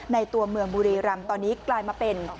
ในตัวเมืองบุรีรำตอนนี้กลายมาเป็น